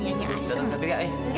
kita datang ke kria eh